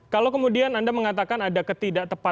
kalau kemudian anda mengatakan ada ketidakpastian